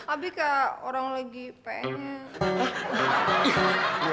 abi kayak orang lagi pengen